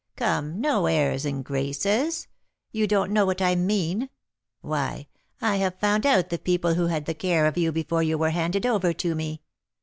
Come, no airs and graces. You don't know what I mean. Why, I have found out the people who had the care of you before you were handed over to me.